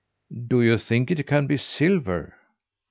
"Do you think it can be silver?"